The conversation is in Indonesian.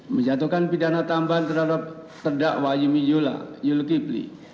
menjatuhkan pidana tambahan terhadap terdakwa yumi yula yul ghibli